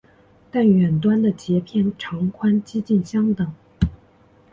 但远端的节片长宽几近相等。